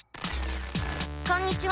こんにちは。